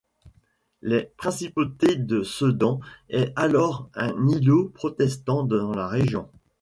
La principauté de Sedan est alors un îlot protestant dans la région.